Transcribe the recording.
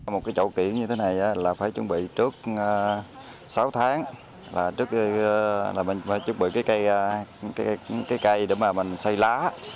một cái trậu kiểng như thế này là phải chuẩn bị trước sáu tháng là mình phải chuẩn bị cái cây để mà mình xây lá